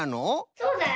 そうだよ。